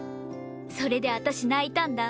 それで私泣いたんだ。